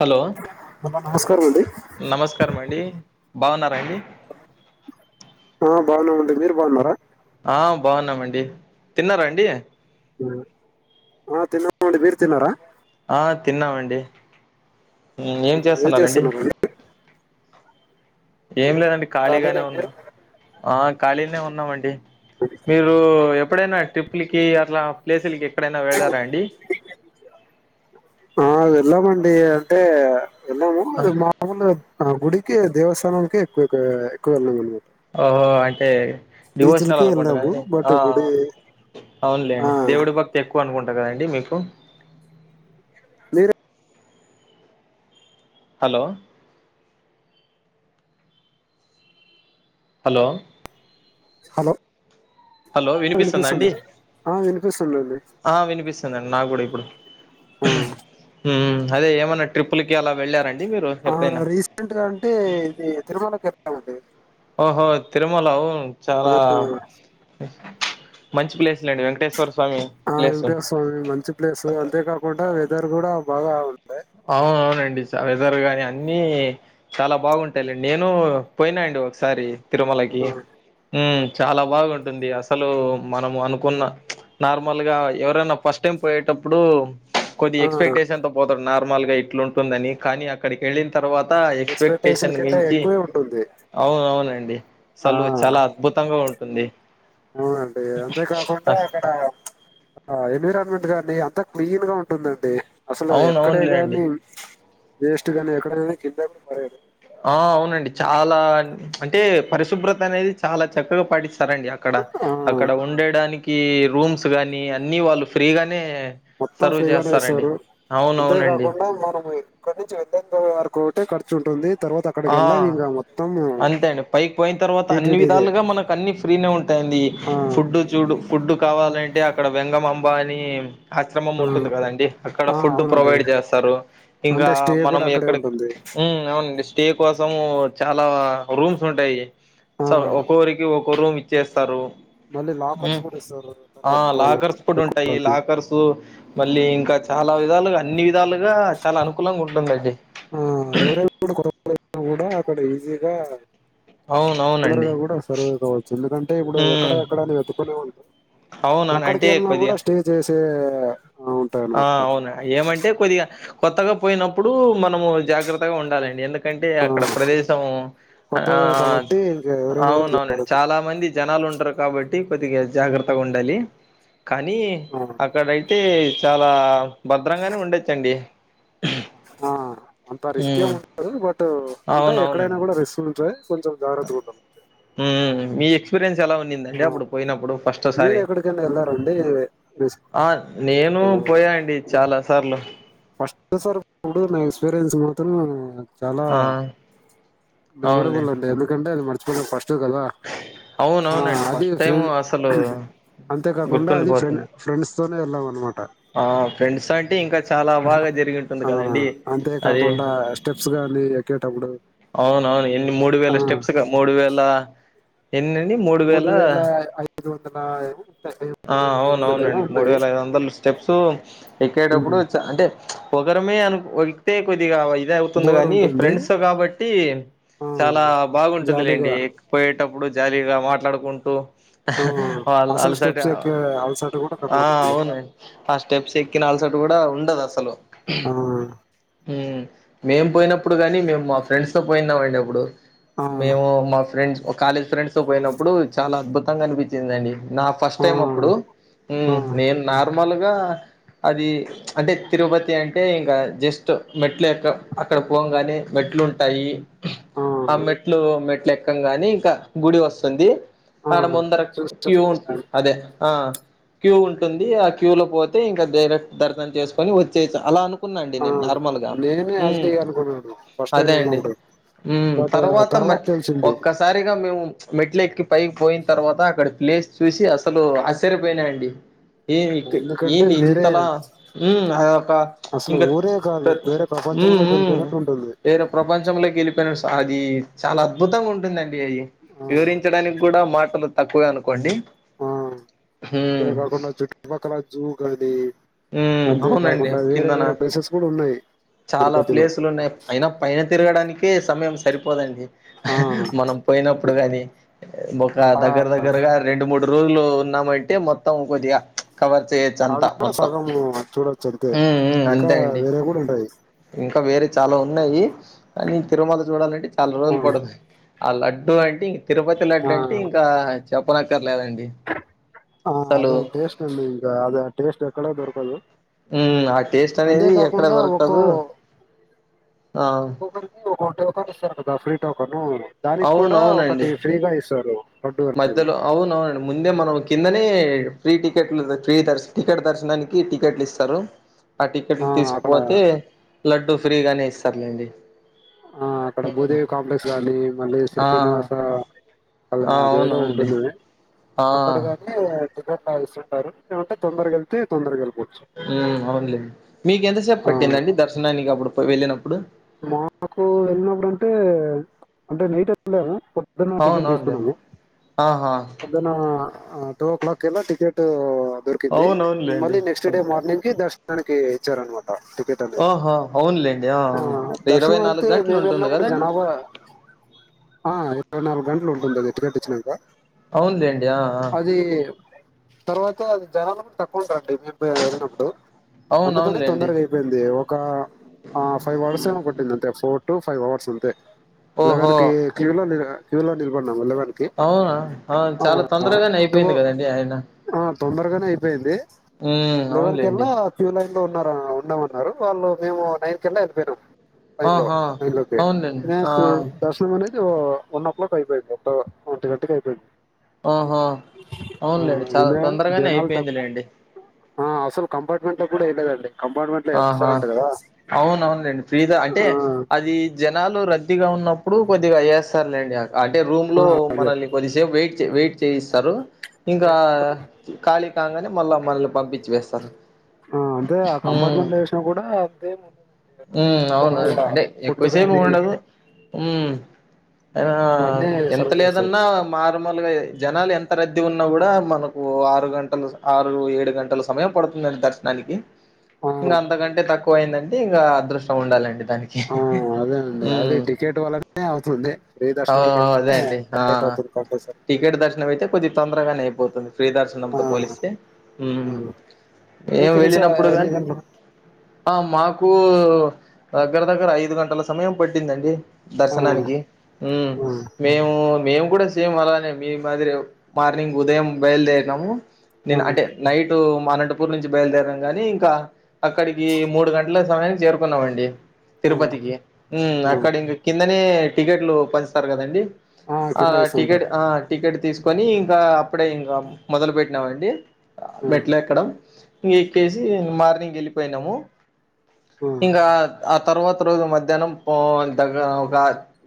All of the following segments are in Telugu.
హలో అమ్మా నమస్కారం అండి నమస్కారం అండి బాగున్నారా అండి ఆ బాగున్నాము అండి మీరు బాగున్నారా ఆ బాగున్నామండి తిన్నారా అండి ఆ తిన్నాం అండి మీరు తిన్నారా ఆ తిన్నామండి ఉ ఏం చేస్తున్నారు అండి ఏం లేదండి ఏమండి, ఖాళీగానే ఖాళీనే మీరు ఉన్నాం ఆ ఖాళీనే ఉన్నాం అండి మీరు ఎప్పుడైనా ట్రిప్లుకి అట్లా ప్లేసులికి ఎక్కడైనా వెళ్ళారా అండి ఆ వెళ్లామండి అంటే వెళ్ళాము మాములు ఆ గుడికి దేవస్థానం కి ఎక్కు ఎక్కువ ఎక్కువ వెళ్ళాము ఓహో అంటే డివోషనల్ బీచ్లకి అనుకుంటా వెళ్ళాము కానీ బట్ ఆ గుడి ఆ అవునులేండి దేవుడి భక్తి ఎక్కువ అనుకుంటా కదండి మీకు మీరే హలో హలో హలో హలో వినిపిస్తుందా వినిపిస్తుంది అండి ఆ వినిపిస్తుందండి ఆ వినిపిస్తుందండి నాకు ఉ అదేమన్నా ట్రిప్ ఆ రీసెంట్ గా అంటే ఇది తిరుమలకి వెళ్తామండి హ తిరుమల వు చాలా మంచి ప్లేస్‌లెండి వెంకటేశ్వర స్వామి ఆ ప్లేసు. ఏమిట స్వామి మంచి ప్లేసు అంతే కాకుండా వెదర్ కూడా బా రజర్ గాని అన్ని చాలా బాగుంటాయిలండి నేను పోయినా అండి ఒకసారి తిరుమలకి చాలా బాగుంటుంది అసలు మనము అనుకున్న నార్మల్ గా ఎవరైనా ఫస్ట్ టైం పోయేటప్పుడు కొద్ది ఆ ఎక్స్పెక్టేషన్ తో పోతాడు నార్మల్ గా ఇట్లుంటుందని కానీ అక్కడికి వెళ్ళిన తర్వాత అ ఎక్స్పెక్టేషన్ కంటే మించి ఎక్కువే ఉంటుంది అవున అవునండి ఆ అసలు చాలా అద్భుతంగా ఉంటుంది అ ఆ ఎన్విరాన్మెంట్ కాగానీ అంతా క్లీన్ గా ఉంటుందండి అసలు ఎక్కడే అవునవునులేండి గాని వేస్ట్ గానీ ఎక్కడ కానీ కింద కూడా పరలేదు ఆ అవునండి చాలా అంటే పరిశుభ్రత అనేది చాలా చక్కగా పడిస్త సరండి అక్కడ ఆ అక్కడ ఉండేడానికి రూమ్స్ గాని అన్ని వాళ్ళు ఫ్రీగానే మొత్తం సర్వ్ ఫ్రీగానే చేస్తారండి చేసారు అంతే అవునవునండి కాకుండా మనం ఇక్క ను వెె వరకు ఖర్చు ఉంటు తర్వాత ఆ అక్కడికెళ్లాం మొత్తం అంతే అండి పైకి పోయిన తర్వాత అన్ని టీటీడీదే విధాలుగా మనకు అన్ని ఫ్రీనే ఉంటాయండి ఆ ఫుడ్ చూడు ఫుడ్ కావాలంటే అక్కడ వెంగమాంబ అని ఆశ్రమం ఆ ఉంటుంది కదండి అక్కడ ఆ ఫుడ్ అవునండి ప్రొవైడ్ చేస్తారు ఇంకా అంతే స్టే మనం కూడా అక్కడే ఎక్కడ ఉంటుంది ఉమ్ అవునండి స్టే కోసం చాలా రూమ్స్ ఉంటాయి ఆ సొ ఒక్కొరికి ఒక్కొ రూమ్ ఇచ్చేస్తారు మళ్ళీ లాకర్స్ ఉమ్ కూడా ఇస్తారు ఆ తర్వాత వాళ్ళు లాకర్స్ కూడా ఉంటాయి పెట్టుకోవడానికి లాకర్స్ మళ్ళీ ఇంకా చాలా విధాలుగా అన్ని విధాలుగా చాలా అనుకూలంగా ఉంటుందండి ఆ ఎవరైనా కూడా కొత్త కూడా అక్కడ ఈజీగా అవునవునండి తోందరగా కూడా సర్వే కావచ్చు ఎందుకంటే ఇప్పుడు ఎక్కడ ఉమ్ ఎక్కడ అని వెతుకోనే ఉం అవునా ఎక్కడికి అంటే వెళ్ళిన కూడా కొద్దిగా స్టే చేసే ఆ, ఉంటాయి ఆ అన్నమాట అక్కడ అవునా ఏమంటే కొద్దిగా కొత్తగా పోయినప్పుడు మనము జాగ్రత్తగా ఉండాలండి ఎందుక ఎందుకంటే ఆ, అక్కడ ప్రదేశము ఆ కొత్తదే కాబట్టి ఇంకా ఎవరైనా కూడా అవునవునండి జాగ్రత్త చాలా మంది జనాలు ఉంటారు కాబట్టి కొద్దిగా జాగ్రత్తగా ఉండాలి కానీ ఆ, అక్కడయితే చాలా భద్రం గానే ఉండోచ్చండి ఆ అంత రిస్కే ఎం ఉండదు బట్ అంటే ఎక్కడైనా అవునవునండి కూడా రిస్క్ ఉంటది కొంచం జాగ్రత్తగా ఉందాం అంతే ఉమ్ మీ ఎక్స్పీరియన్స్ ఎలా ఉన్నిందండి అప్పుడు పోయినప్పుడు ఫస్ట్ మీరు సారి ఎక్కడికైనా వెళ్ళారండి రిస్క్ ఆ నేను పోయా అండి చాలా సార్లు ఫస్ట్ సారి పోయినప్పుడు నా ఎక్స్పీరియన్స్ మాత్రం చాలా ఆ అవునండి మెమరబుల్ అండి ఎందుకంటే అది మర్చిపోలేం ఫస్ట్ కదా ఆ అవునవునండి అది ఫస్ట్ టైం ఫ్రె అసలు అంతేకాకుండా అది ఫ్రె గుర్తుండిపోతుంది ఫ్రెండ్స్ తోనే వెళ్ళమండీ అన్నమాట ఆ ఫ్రెండ్స్ అంటే ఇంకా చాలా బాగా జరిగి ఉంటుంది ఆ కదండి అది అంతేకాకుండా స్టెప్స్ గానీ ఎక్కేటప్పుడు అవున అవును ఎన్ని మూడు ఆ వేల స్టెప్స్గా మూడు వేల ఎన్ని న్నిమూడు వేల ఐదు వందల ఉంటాయి ఆ మూడు వేల ఐదు అవున వందలు ఏమో అవునండి మూడు ఉన్నాయి వేల ఐదు వందలు స్టెప్స్ ఎక్కేటప్పుడు చాలా అంటే ఒకరమే అను ఎక్కితే కొద్దిగా ఇది అవుతుంది బోర్ గానీ ఉంటుంది ఫ్రెండ్స్ తో కాబట్టి ఆ చాలా జాలీగా బాగుంటుందిలేండి పోయేటప్పుడు జాలీగా మాట్లాడుకుంటూ ఆ అహ్ వాళ్ళు అసలు అలసట స్టెప్స్ ఎక్కే అలసట కూడా ఆ కనబడదనమాట అవును ఆ స్టెప్స్ ఎక్కిన అల్సట కూడా ఉండదు అసలు ఆ ఉమ్ మేం పోయినప్పుడు కానీ మేము మా ఫ్రెండ్స్ తో పోయినాం అండి అప్పుడు ఆ మేము మా ఫ్రెండ్స్ ఒక కాలేజ్ ఫ్రెండ్స్ తో పోయినప్పుడు చాలా అద్భుతంగా అనిపించిందిఅండి ఆ అప్పుడు ఆ నేను నార్మల్ గా అది అంటే తిరుపతి అంటే ఇంకా జస్ట్ మెట్ల ఎక్క అక్కడ పోంగానే మెట్ మెట్లు ఉంటాయి ఆ మెట్లు మెట్లు ఎక్కం గానే ఇంకా గుడి వస్తుంది ఆ ఆడ ముందర క్యూ ఉం చూసాను ఆ క్యూ ఉంటుంది ఆ క్యూ లో పోతే ఇంకా డైరెక్ట్ దర్శనం చేసుకొని వచ్చేసా అలా అను కున్నానండడి ఆ నేను నార్మల్ గా నేనే ఉ యాజిటీగా అనుకున్నాను ఫస్ట్ టైం అదే అండి వెళ్ళినప్పుడు ఉమ్ బట్ తర్వాత మె తెలిసింది ఒక్కసారిగా మేము మెట్లు ఎక్కి పైకి పోయిన తర్వాత అక్కడ ప్లేస్ చూసి అసలు ఆశ్చర్యపోయినాండి ఏమి ఇక్ ఎందుకంటే ఏమి వేరే ఇంతలా ఉమ్ అది ఒక అసలు ఇంకా ఊరే కాదు వేరే ఉ ప్రపంచంలోకి ఉ వెళ్ళిపోయినట్టు ఉంటుంది ఇయన ప్రపంచంలోకి వెళ్ళిపోయినాడు సార్ ఈ చాలా అద్భుతంగా ఉంటుందండి ఆ వివరించడానికి కూడా మాటలు తక్కువే అనుకోండి ఆ ఇదే ఉమ్ కాకుండా చుట్టుపక్కల జూ కానీ ఉమ్ అంతే అవునండి కాకుండా వేరే కిందన వేరే ప్లేసెస్ కూడా ఉన్నాయి చాలా తిరుపతిలో ప్లేసులు ఉన్నాయి అయినా పైన తిరగడానికే సమయం సరిపోదండి ఆ మనం పోయినప్పుడు కాని ఒక దగ్గర దగ్గరగా రెండు మూడు రోజులు ఉన్నామంటే మొత్తం కొద్దిగా కవర్ చేయొచ్చు అంతా మొత్తం ఉం ఉమ్ ఉం అంతే అండి ఉంటాయి ఇంకా వేరే చాలా ఉన్నాయి కానీ తిరుమల చూడాలంటే చాలా ఆ రోజులు పడదు ఆ లడ్డు అంటే తిరుపతి ఆ లడ్డంటే ఇంకా చెప్పనక్కర్లేదండి ఆ అద అసలు టేస్ట్ అండి ఇకా అద టేస్ట్ ఎక్కడ దొరకదు ఉ ఆ టేస్ట్ అనేది ఎక్కడ అంతేకాకుండా దొరకదు ఆ గూగుల్ కి ఒక టోకన్ ఇస్తారు కదా ఫ్రీ టోకన్ దానికి కూడా ఒకటి అవునవునండి ఫ్రీగా ఇస్తారు లడ్డు అనేది మధ్యలో అవున అవునండి ముందే మనం కిందనే ఫ్రీ టికెట్లు ఫ్రీ దర్ టికెట్ దర్శనానికి టికెట్లు ఇస్తారు ఆ టికెట్లు తీసుకుపోతే లడ్డూ ఫ్రీగానే ఇస్తారులేండి ఆ అక్కడ హ్మ్. భూదేవి కాంప్లెక్స్ కానీ మళ్ళీ ఆ శ్రీనివాస అలా ఆ అదేదో అవునండి ఉంటుంది ఆ అక్కడ కానీ ట్లా ఇస్తుంటారు ఏంటే తొందరగా కేలితే తొందరగత అవునులేండి మీక ఎంతసేపు ఆ పట్టిందండి దర్శనానికినికి అప్పుడు వెళ్ళినప్పుడు మాకు వెళ్ళినప్పుడుంటే అంటే నైట్ వెళ్ళారు పొద్ద్దన్న టికెట్ అవునవునులేండి తీసుకున్నాను ఆహా పొద్ద్దన్న టూ ఓ క్లాక్ కిలా టికెట్ దొరికింది అవునవునులేండి మళ్ళీ నెక్స్ట్ డే మార్నింగ్ కి దర్శ తనకి హెచ్చారు అనుమా ఆహా అవునులేండి ఆ ఇరవై దర్శనం నాలుగు అయితే గంటలు మేము ఉంటుంది వెళ్ళినప్పుడు కదండి జనాభా ఆ ఇరవై నాలుగు గంటలు ఉంటుంది అది ఎట్టు గంటచ్చిన అవునులేండి ఆ ఆ తర్వాత అది జనాలకు తక్కవ వెళ్ళినప్పుడు అందుకని అవునవునులేండి తొందరగా అయిపోయింది ఒక స కొట్టింది అంతే ఫోర్ టు ఫైవ్ అవర్స్ అంతే లెవెన్ ఓహో క్యూ లో క్యూలో నిలబడ్డాము అవునా అవును చాలా తొందరగానే టూ అయిపోయింది కదండి అయినా ఆ తొందరగానే అయిపోయింది లెవెన్ అవునులేండి కెల్లా ఫ్యూ ఉ ఉన్నామన్నారు వాళ్ళు మేము నైన్ కెళ్లా వెళ్ళిపోయినాం లైన్ లో ఆహా లైన్ అయిలోకే అవునులేండి ఆ దశనం మ వన్ ఓ క్లాక్ అయిపోయింది ఒ ఒంటి గంటకి అయిపోయింది ఆహా ఆ అవునులేండి చాలా ఇదే తొందరగానే జనాలు తక్కు అయిపోయిందిలేండి ఆ అస కంపార్ట్మెంట్ లో కూడా వెయలేదండి కంపార్ట్మెంట్ లో వేస్తారు అంట కదా అవున అవునండి ఫ్రీద అంటే ఆ అది జనాలు రద్దీగా ఉన్నప్పుడు కొద్దిగా ఏస్తారులేండి అంటే రూమ్ ఆ లో అదే మనల్ని కొద్దిసేపు వెయిట్ వెయిట్ చేయిస్తారు ఇంకా ఖాళీ కాంగానే మళ్ళా మనల్ని పంపించి వేస్తారు ఆ అంటే ఆ కంపార్ట్మెంట్ లో వేసినా కూడా అంతేం ఉండదండి ఉ దాంట్లో కూడా అవునువును బాగా అంటే ఫుడ్ ఎక్కువసేపు కానీ ఉండదు అయినా అన్నీ ఎంత సర్వ్ చేస్తారు లేదన్నా మార్మల్గా జనాలు ఎంత రద్దీ ఉన్నా కూడా మనకు ఆరు గంటలు ఆరు ఏడు గంటల సమయం పడుతుందండి దర్శనానికి ఆ ఇంకా అంతకంటే తక్కువ అయిందంటే ఇంకా అదృష్టం ఉండాలండి దానికి అదేనండి అది ఉమ్ టికెట్ వలనే అవుతుంది ప్ర్రీ అవు దర్శనానికి అదే వెళ్తే అండి ఆ లేట్ అవుతుంది కంపల్సరీ టికెట్ దర్శనం అతే కొద్ది తొందరగానేయి పోతుంది ఆ ఫ్రీదర్శనంతో పోలిస్తే ఆ ఏం మీకు ఎన్ని సా వెళ్ళినప్పుడు ఎన్ని కానీ గంటలు ఆ మాకు దగ్గర దగ్గర ఐదు గంటల సమయం పట్టిందండి ఆ దర్శనానికి ఉమ్ ఆ మేము కూడా సేమ్ అలానే మీ మాదిరే మార్నింగ్ ఉదయం బయలుదేరినాము ఆ నేను అంటే నైట్ మా అనంటపూర్ నుంచి బయలుదేరినాము గాని ఇంకా అక్కడికి మూడు గంటల సమయానికి చేరుకున్నామండి ఆ తిరుపతికి మ్మ్ ఆ అక్కడ ఇంగ కిందనే టికెట్లు పంచుతారు కదండి ఆ కింద టికెట్ వేస్తుంటారు ఆ టికెట్ తీసు కొని ఇంకా అప్పుడే ఇంకా మొదలు పెట్టినామండి ఆ మెట్లు ఎక్కడం ఇంక ఎక్కేసి మార్నింగ్ వెళ్ళిపోయినాము ఆ ఇంకా ఆ తర్వాత రోజు మధ్యానం పో దగ్గర ఒక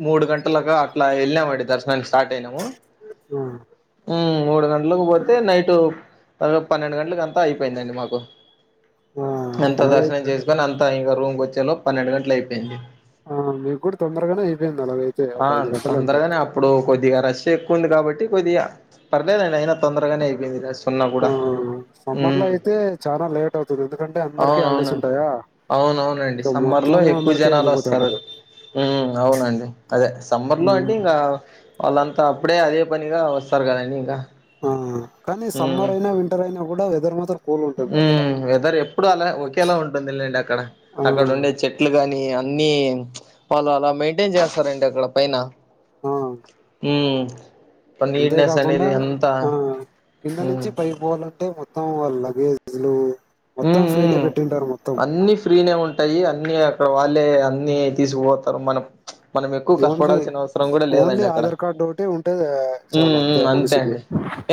మూడు గంటలగా అట్లా వెళ్ళామండి దర్శనం స్టార్ట్ అయినాము అ మ్మ్ మూడు గంటలకు పోతే నైట్ ఆ పన్నెండు గంటలకు అంతా అయిపోయిందండి మాకు ఆ ఎంత అలాగే దర్శనం చేసుకొని అంత ఇంకా రూమ్కి వచ్చేలో పన్నెండు గంటలు అయిపోయింది ఆ మీకు కూడా తొందరగానే అయిపోయింది అలాగైతే ఒక ఆ ఐదు గంటలు అంటే తొందరగానే అప్పుడు కొద్దిగా రష్ ఎక్కువంది కాబట్టి కొద్దిగా పర్లేదండి అయిన తొందరగానే అయిపోయింది రష్ ఉన్నా ఆ కూడా సమ్మర్ లో అయితే చాలా లేట్ అవుతుంది ఎందుకంటే అందరికీ అవునవున హాలిడేస్ ఉంటాయా అవునవునండి ఇంకా సమ్మర్ లో మొత్తం ఎక్కువ అందరికీ జనాలు వస్తారు వెళ్ళిపోతుంటారు మ్మ్ అవునండి అదే సమ్మర్ లో అంటే ఉమ్, ఇంగ వాళ్ళంతా అప్పుడే అదే పనిగా వస్తారు కదండి ఇంకా ఆ కానీ సమ్మర్ అయినా వింటర్ అయినా కూడా వెదర్ మాత్రం కూల్ ఉంటుంది అక్కడ మ్మ్ వెదర్ ఎప్పుడు అలా ఒకేలా ఉంటుందిలేండి అక్కడ ఆ అక్కడ ఉండే చెట్లు గాని అన్ని వాళ్ళు అలా మెయింటైన్ చేస్తారండి అక్కడ పైన ఆ హ్మ్ అంతేకాకుండా ఆ కింద ఉమ్ నుంచి పైకి పోవాలన్ టే మొత్తం ఆ లగేజ్లు మొత్తం మ్మ్ ఫ్రీనే మ్మ్ పెట్టింటారు మొత్తం అన్ని ఫ్రీనే ఉంటాయి అన్ని అ క్కడ వాళ్ళే అన్ని తీసుకుపోతారు మనం మనం ఎక్కువ ఓన్లీ కష్టపడాల్సిన అవసరం కూడా ఓన్లీ లేదండి అక్కడ ఆధార్ కార్డు ఒకటి ఉంటే చాలు మ్మ్ మ్మ్ అంతే మనిషికి అండి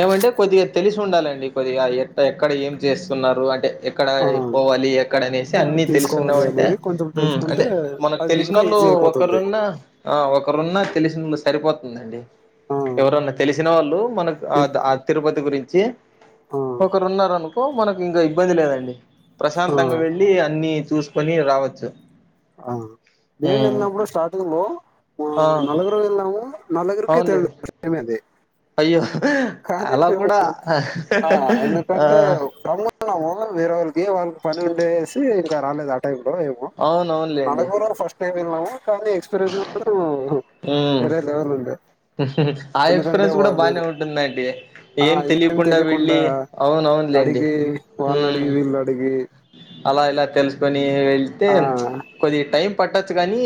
ఏమంటే కొద్దిగా తెలిసి ఉండాలండి కొద్దిగా ఎట్ల ఎక్కడ ఏం చేస్తున్నారు అంటే ఎక్కడ ఆ పోవాలి ఎక్కడనేసి అన్ని తెలుసున్నాం తీసుకోవాలి అంటే అనేది కొంచెం మ్మ్ తెలుసుకుంటే అంటే మనకు అది ఇంకా తెలిసినోళ్ళు తో ఈజీ అయిపోతుంది ఒకరున్నా ఆ ఒకరున్నా తెలిసిన ము సరిపోతుందండి ఆ ఎవరన్నా తెలిసిన వాళ్ళు మనకు ఆ తిరుపతి గురించి ఆ ఒకరున్నారు అనుకో మనకి ఇంగ ఇబ్బంది లేదండి ఆ ప్రశాంతంగా వెళ్ళి అన్ని చూసుకొని రావచ్చు ఆ మేము హ్మ్ వెళ్ళినప్పుడు స్టార్టింగ్ లో ఆ నలగురుము వెళ్ళాము నలగురికి అవునులే తెలిదు అది అయ్యో అలా కాదంటే ఓ కూడా ఎందుకంటే ఆ రమ్ వేరే వాళ్ళకి వాళ్ళకి పని ఉండేసి ఇంకా రాలేదు ఆ టైమ్ లో ఏమో అవునవునులేండి నలగురం ఫస్ట్ టైం వెళ్ళాము కానీ ఎక్స్పీరియన్స్ మాత్రమే ఉమ్ వేరే లెవెల్ ఉండె ఆ ఎక్స్పీరియన్స్ కూడా బానే ఉంటుందండి ఏం తెలియకుండా వెళ్ళి అవును అవును లే అడిగి వాళ్నడిగి వీళ్నడిగి అలా ఇలా తెల్సుకొని తే ఆ కొద్ది టైం పట్టొచ్చు కానీ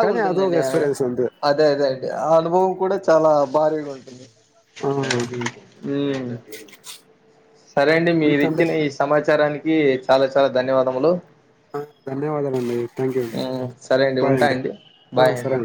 కానీ అదొక ఎక్స్పీరియన్స్ అంతే అదే అదే అండి ఆ అనుభవం కూడా చాలా భారీగా ఉంటుంది ఆ మ్మ్ సరే అండి అంతే అండి మీరిచ్చిన ఈ సమాచారానికి చాలా చాలా ధన్యవాదములు ధన్యవాదాలండి థ్యాంక్ యూ అండి మ్మ్ సరే అండి ఉంటా అండి ఆ బాయ్ సరే అండి